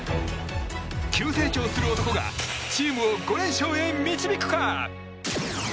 急成長する男がチームを５連勝へ導くか。